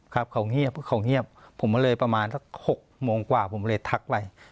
ครับเขาเงียบผมเลยประมาณ๖โมงกว่าผมเลยทักไป๐๑๙